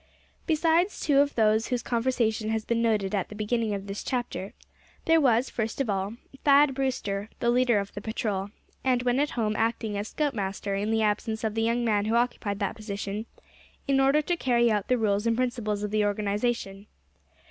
Besides two of those whose conversation has been noted at the beginning of this chapter there was, first of all, Thad Brewster, the leader of the patrol, and when at home acting as scoutmaster in the absence of the young man who occupied that position, in order to carry out the rules and principles of the organization.